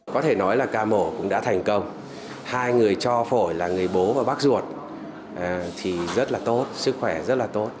có thể nói là ca mổ cũng đã thành công hai người cho phổi là người bố và bác ruột thì rất là tốt sức khỏe rất là tốt